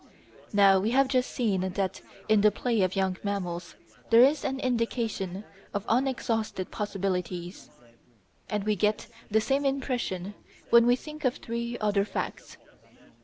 Now we have just seen that in the play of young mammals there is an indication of unexhausted possibilities, and we get the same impression when we think of three other facts.